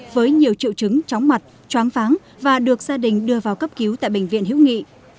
với nhiều triệu chứng chóng mặt choáng pháng và được gia đình đưa vào cấp cứu tại bệnh viện hữu nghị